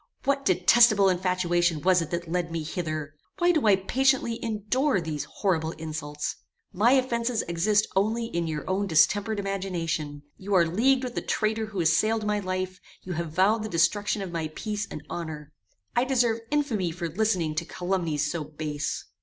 "What detestable infatuation was it that led me hither! Why do I patiently endure these horrible insults! My offences exist only in your own distempered imagination: you are leagued with the traitor who assailed my life: you have vowed the destruction of my peace and honor. I deserve infamy for listening to calumnies so base!"